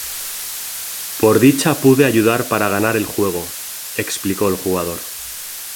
Por dicha pude ayudar para ganar el juego", explicó el jugador.